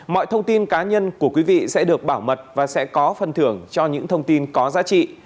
mọi thông tin cá nhân của quý vị sẽ được bảo mật và sẽ có phần thưởng cho những thông tin có giá trị